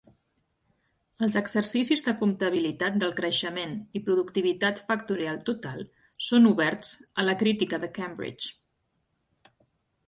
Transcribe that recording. Els exercicis de comptabilitat del creixement i Productivitat Factorial Total són oberts a la crítica de Cambridge.